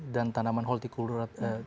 dan tanaman horticultur